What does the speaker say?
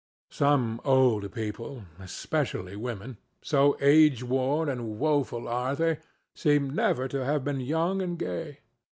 Some old people—especially women—so age worn and woeful are they, seem never to have been young and gay.